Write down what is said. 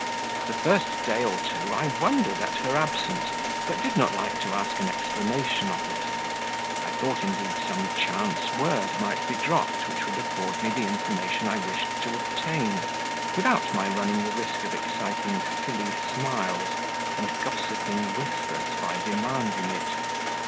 The first day or two I wondered at her absence, but did not like to ask an explanation of it; I thought indeed some chance word might be dropped which would afford me the information I wished to obtain, without my running the risk of exciting silly smiles and gossiping whispers by demanding it.